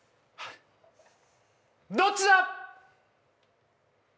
どっちだ！？